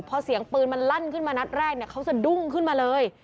พอเสียงปืนมันลั่นขึ้นมานัดแรกเนี่ยเขาสะดุ้งขึ้นมาเลย